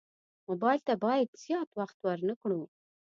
موبایل ته باید زیات وخت ورنه کړو.